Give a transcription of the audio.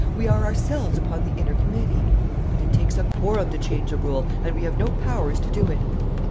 We are ourselves upon the inner committee.' 'But it takes a quorum to change a rule, and we have no powers to do it.'